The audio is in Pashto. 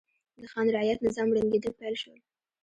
د خان رعیت نظام ړنګېدل پیل شول.